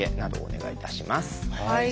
はい。